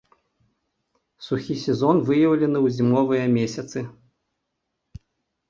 Сухі сезон выяўлены ў зімовыя месяцы.